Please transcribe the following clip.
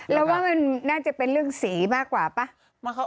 เราว่ามันน่าจะเป็นเรื่องสีมากกว่าป่ะ